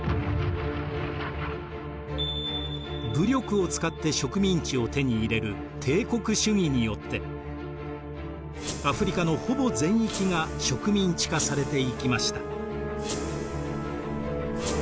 武力を使って植民地を手に入れる帝国主義によってアフリカのほぼ全域が植民地化されていきました。